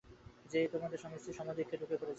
যেয়ে তোমাদের স্বামী-স্ত্রীর সমাধিকক্ষে ঢুকে বসে থাক।